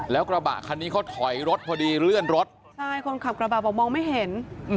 แล้วกระบะคันนี้เขาถอยรถพอดีเลื่อนรถใช่คนขับกระบะบอกมองไม่เห็น